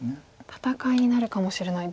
戦いになるかもしれない。